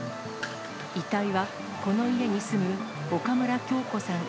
遺体はこの家に住む岡村京子さん